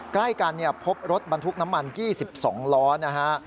ใกล้กันพบรถบรรทุกน้ำมัน๒๒ล้อนะฮะ